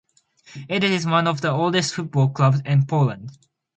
It is one of the oldest football clubs in Poland.